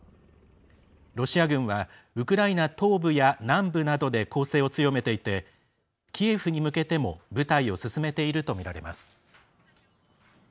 ロシア軍はウクライナ東部や南部などで攻勢を強めていてキエフに向けても部隊を進めているとみられます。